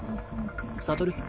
悟。